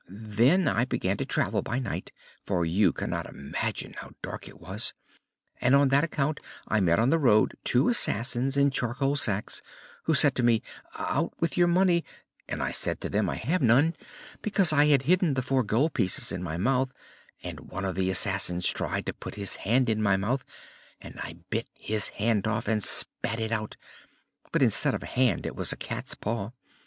Then I began to travel by night, for you cannot imagine how dark it was; and on that account I met on the road two assassins in charcoal sacks who said to me: 'Out with your money,' and I said to them: 'I have got none,' because I had hidden the four gold pieces in my mouth, and one of the assassins tried to put his hand in my mouth, and I bit his hand off and spat it out, but instead of a hand it was a cat's paw.